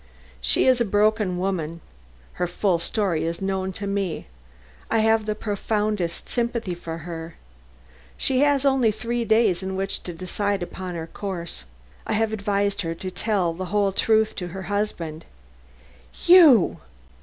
She is a broken woman. Her full story is known to me. I have the profoundest sympathy for her. She has only three days in which to decide upon her course. I have advised her to tell the whole truth to her husband." "You!"